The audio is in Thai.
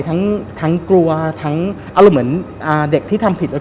ทั้งทั้งกลัวทั้งอารมณ์เหมือนอ่าเด็กที่ทำผิดแล้ว